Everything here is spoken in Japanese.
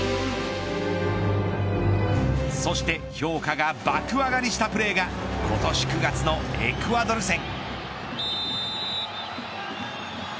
そして評価が爆上がりしたプレーが今年９月のエクアドル戦。